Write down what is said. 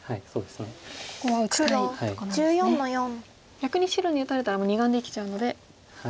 逆に白に打たれたらもう２眼できちゃうので。